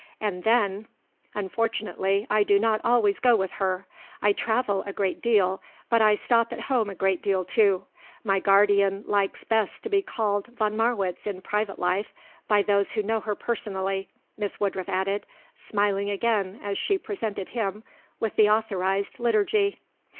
And then, unfortunately, I do not always go with her. I travel a great deal; but I stop at home a great deal, too. My guardian likes best to be called von Marwitz in private life, by those who know her personally," Miss Woodruff added, smiling again as she presented him with the authorized liturgy.